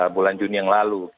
bulan juni yang lalu